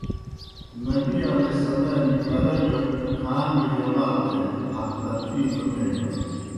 نبی علیہ السلام ایْ کرہ گہ کھاں گہ جامتے حق تلفی نہ تھیگان۔